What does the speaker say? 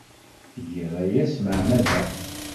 Tgiḍ aya s tmeɛmada.